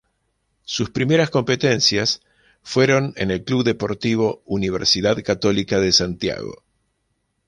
Sus primeras competencias fueron en el Club Deportivo Universidad Católica de Santiago.